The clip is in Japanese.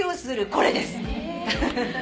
これです。